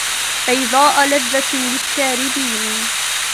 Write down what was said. بيضاء لذة للشاربين